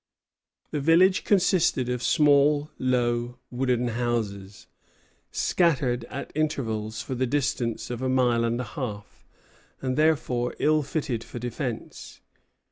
The village consisted of small, low wooden houses, scattered at intervals for the distance of a mile and a half, and therefore ill fitted for defence.